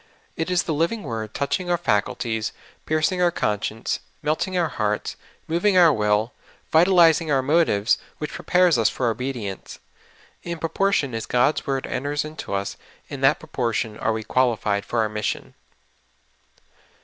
It is the living word touching our fac ulties, piercing our conscience, melting our hearts, mov ing our will, vitalizing our motives, which prepares us for obedience. In proportion as God's word enters INTO THE DEEP. 85 into US, ill that proportion are we qualified for our mission.